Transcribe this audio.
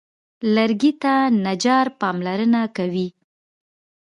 لرګي ته نجار پاملرنه کوي.